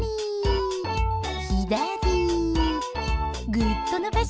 ぐっとのばして。